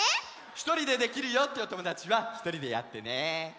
ひとりでできるよっていうおともだちはひとりでやってね。